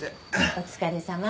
お疲れさま。